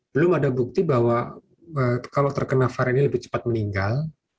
belum ada bukti bahwa kalau terkena varian ini lebih cepat meninggal